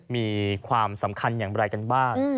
มีความสำคัญอย่างไรกันบ้าง